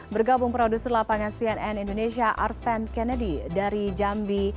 bergabung produser lapangan cnn indonesia arven kennedy dari jambi